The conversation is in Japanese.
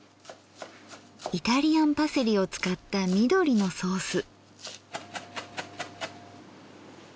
イタリアンパセリを使った緑のソース。